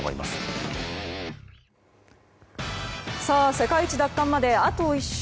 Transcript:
世界一奪還まであと１勝。